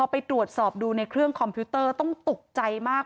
ไปตรวจสอบดูในเครื่องคอมพิวเตอร์ต้องตกใจมาก